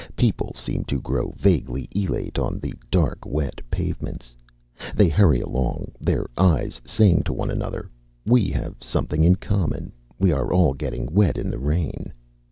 People seem to grow vaguely elate on the dark wet pavements. They hurry along, their eyes saying to one another, "We have something in common. We are all getting wet in the rain."